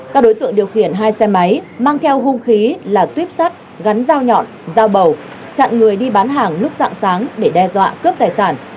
các đối tượng điều khiển hai xe máy mang theo hung khí là tuyếp sắt gắn dao nhọn dao bầu chặn người đi bán hàng lúc dạng sáng để đe dọa cướp tài sản